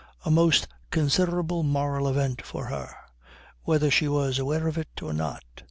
A most considerable moral event for her; whether she was aware of it or not.